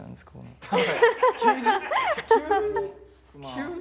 急に？